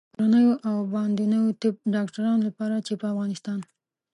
کورنیو او باندنیو طب ډاکټرانو لپاره چې په افغانستان